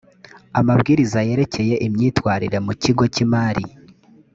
amabwiriza yerekeye imyitwarire mu kigo cy’imari